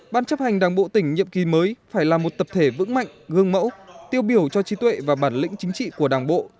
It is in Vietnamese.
ban chấp hành đảng bộ tỉnh nhiệm kỳ mới phải là một tập thể vững mạnh gương mẫu tiêu biểu cho trí tuệ và bản lĩnh chính trị của đảng bộ